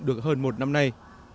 được hơn một năm nay